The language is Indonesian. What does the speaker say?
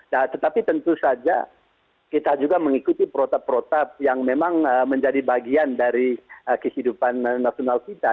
nah tetapi tentu saja kita juga mengikuti protap protap yang memang menjadi bagian dari kehidupan nasional kita